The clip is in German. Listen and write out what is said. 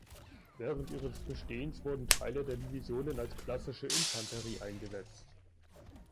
Während ihres Bestehens wurden Teile der Divisionen als klassische Infanterie eingesetzt.